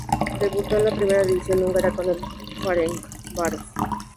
Debutó en la Primera División húngara con el Ferencváros.